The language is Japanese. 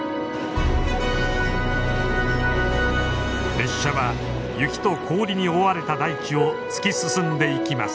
列車は雪と氷に覆われた大地を突き進んでいきます。